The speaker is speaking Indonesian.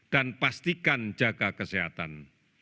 dan pastikan jaga kesehatan